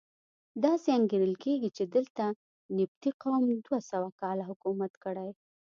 داسې انګېرل کېږي چې دلته نبطي قوم دوه سوه کاله حکومت کړی.